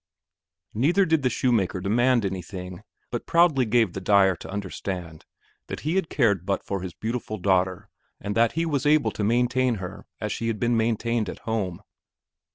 Neither did the shoemaker demand anything, but proudly gave the dyer to understand that he had cared but for his beautiful daughter and that he was able to maintain her as she had been maintained at home.